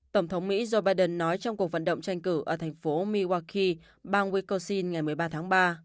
tổng thống mỹ joe biden nói trong cuộc vận động tranh cử ở thành phố miwaki bang wikosin ngày một mươi ba tháng ba